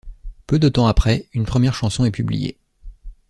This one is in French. Peu de temps après, une première chanson est publiée.